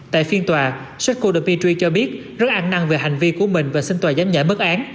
tại phiên tòa seiko dimitri cho biết rất ăn năn về hành vi của mình và xin tòa dám nhảy mất án